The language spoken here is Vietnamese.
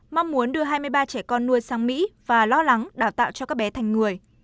mong muốn đưa hai mươi ba trẻ con nuôi sang mỹ và lo lắng đào tạo cho các bé thành người